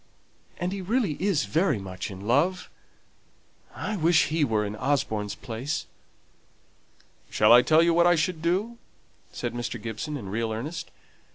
And he really is very much in love. I wish he were in Osborne's place." "Shall I tell you what I should do?" said Mr. Gibson, in real earnest.